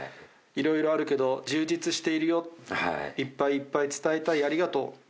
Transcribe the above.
いろいろあるけど充実しているよ、いっぱいいっぱい伝えたい、ありがとう。